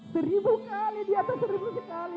seribu kali di atas seribu sekali